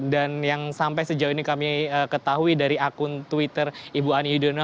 dan yang sampai sejauh ini kami ketahui dari akun twitter ibu ani yudhoyono